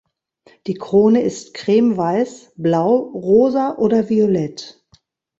Die Krone ist creme-weiß, blau, rosa oder violett.